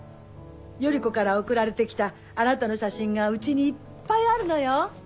頼子から送られて来たあなたの写真がうちにいっぱいあるのよ。